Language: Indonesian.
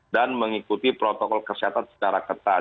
dan mengikuti protokol kesehatan secara ketat